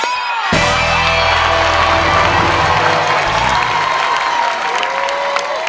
แพ่นที่๖ได้ไหมครับ